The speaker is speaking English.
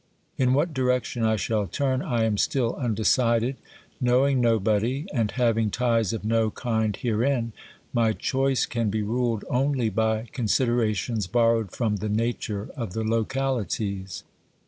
In what direction I shall turn I am still undecided; knowing nobody, and having ties of no kind herein, my choice can be ruled only by considerations borrowed from the nature of the localities.